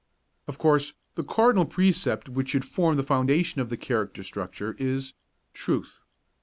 Of course, the cardinal precept which should form the foundation of the character structure is Truth.